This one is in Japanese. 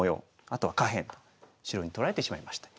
あとは下辺白に取られてしまいました。